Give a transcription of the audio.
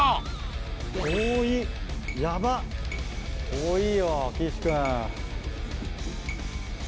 遠いよ岸君。